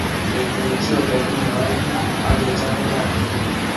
ketekchi oleginyoen biik ago kechop oratinwek